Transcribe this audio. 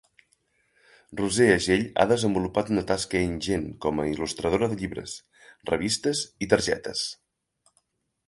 Roser Agell ha desenvolupat una tasca ingent com a il·lustradora de llibres, revistes i targetes.